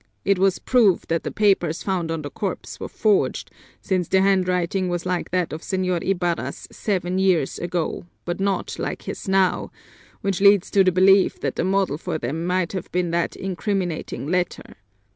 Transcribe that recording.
It was proved that the papers found on the corpse were forged, since the handwriting was like that of Señor Ibarra's seven years ago, but not like his now, which leads to the belief that the model for them may have been that incriminating letter.